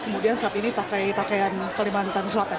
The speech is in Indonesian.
kemudian saat ini pakai pakaian kalimantan selatan